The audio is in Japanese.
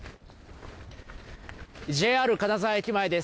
ＪＲ金沢駅前です。